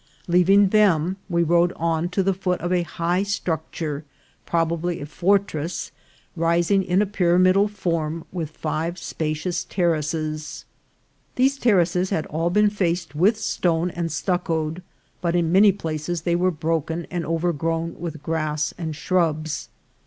Leaving them, we rode on to the foot of a high structure, probably a fortress, ri sing in a pyramidal form, with five spacious terraces. These terraces had all been faced with stone and stuc coed, but in many places they were broken and over grown with grass and shrubs.